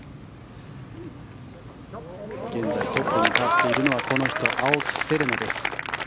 現在トップに立っているのはこの人青木瀬令奈です。